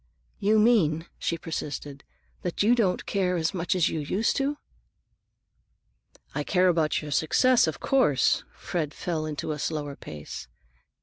"You mean," she persisted, "that you don't care as much as you used to?" "I care about your success, of course." Fred fell into a slower pace.